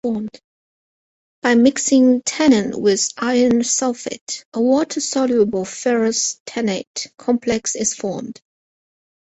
By mixing tannin with iron sulfate, a water-soluble ferrous tannate complex is formed.